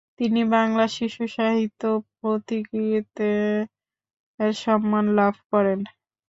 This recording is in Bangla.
তিনি বাংলা শিশুসাহিত্যে পথিকৃতের সম্মান লাভ করেন।